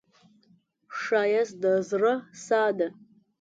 ښایست د زړه ساه ده